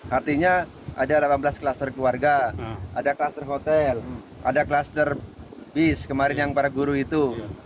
artinya ada delapan belas klaster keluarga ada kluster hotel ada kluster bis kemarin yang para guru itu